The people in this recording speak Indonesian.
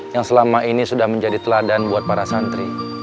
yang selama ini sudah menjadi teladan buat para santri